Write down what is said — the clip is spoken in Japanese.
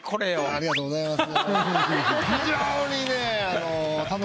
ありがとうございます。